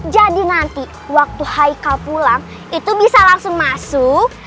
jadi nanti waktu hai kapulang itu bisa langsung masuk